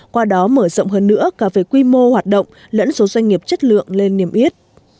qua đó mở rộng hơn nữa cả về quy mô hoạt động lẫn số doanh nghiệp chất lượng lên niềm yết